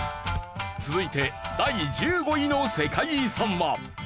続いて第１５位の世界遺産は。